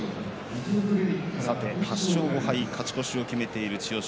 ８勝５敗、勝ち越しを決めている千代翔